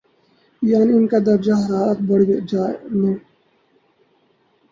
یعنی ان کا درجہ حرارت بڑھ جانے